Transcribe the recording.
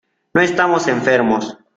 no estamos enfermos.